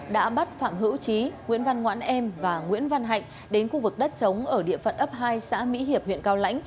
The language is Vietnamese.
đã bắt phạm hữu trí nguyễn văn ngoãn em và nguyễn văn hạnh đến khu vực đất trống ở địa phận ấp hai xã mỹ hiệp huyện cao lãnh